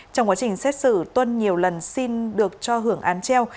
trong quá trình xét xử tuân nhiều lần xin được cho hưởng án treo